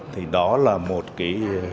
thì đó là một cái